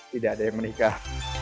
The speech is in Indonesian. tidak ada yang menikah